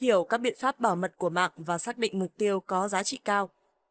hiểu các biện pháp bảo mật của mạng và xác định mục tiêu có giá trị cao